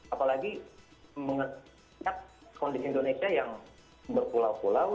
apalagi mengingat kondisi indonesia yang berpulau pulau